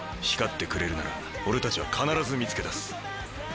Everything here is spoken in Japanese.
光ってくれるなら俺たちは必ず見つけ出す。